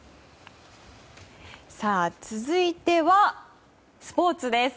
続いては、スポーツです。